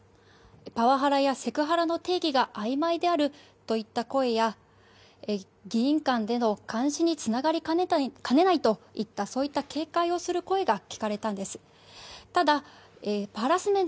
パワハラやセクハラの定義があいまいであるといった声や議員間での監視につながりかねないといった、そういった警戒をする声が聞かれたんです。